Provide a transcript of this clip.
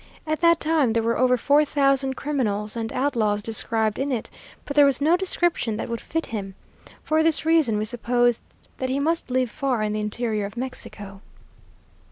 At that time there were over four thousand criminals and outlaws described in it, but there was no description that would fit him. For this reason we supposed that he must live far in the interior of Mexico.